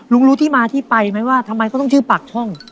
รู้ที่มาที่ไปไหมว่าทำไมเขาต้องชื่อปากช่อง